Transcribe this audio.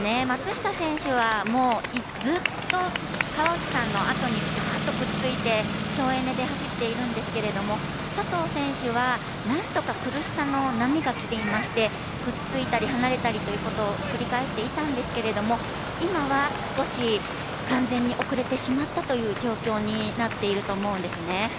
松下選手はもうずっと川内さんのあとにピタッとくっついて省エネで走っているんですけれども佐藤選手は何度か苦しさの波が来ていましてくっついたり離れたりということを繰り返していたんですけれども今は少し完全に遅れてしまったという状況になっていると思うんですね。